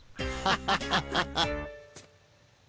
ハハハハハ。